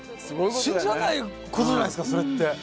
信じらんないことじゃないですかそれ。